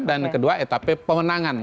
dan kedua etape pemenangan